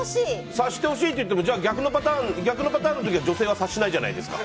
察してほしいといっても逆のパターンは女性は察さないじゃないですか。